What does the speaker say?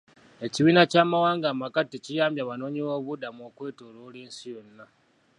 Ekibiina ky'amawanga amagatte kiyambye abanoonyiboobubudamu okwetooloola ensi yonna.